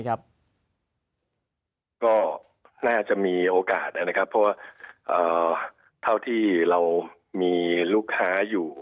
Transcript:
ก็น่าจะมีโอกาสนะครับเพราะว่าเท่าที่เรามีลูกค้าอยู่